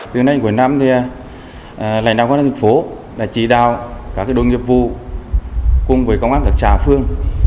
từ năm hai nghìn năm lãnh đạo quốc gia thực phố chỉ đạo các đối nghiệp vụ cùng với công an các trả phương